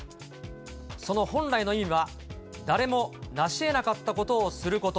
その本来の意味は、誰もなしえなかったことをすること。